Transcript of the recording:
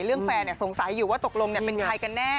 เรื่องแฟนเนี่ยสงสัยอยู่ว่าตกลงเนี่ยเป็นใครกันแน่